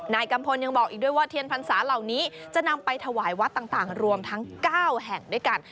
กัมพลยังบอกอีกด้วยว่าเทียนพรรษาเหล่านี้จะนำไปถวายวัดต่างรวมทั้ง๙แห่งด้วยกัน